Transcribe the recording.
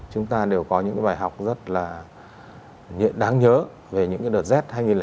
chúng ta đều có những bài học rất là đáng nhớ về những đợt rét